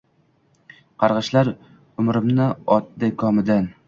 qarg’ishlar umrimni otdi komidan.